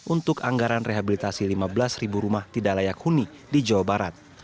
untuk anggaran rehabilitasi lima belas rumah tidak layak huni di jawa barat